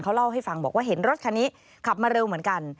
เขาเล่าให้ฟังบอกว่าเห็นรถคันนี้ขับมาเร็วเหมือนกัน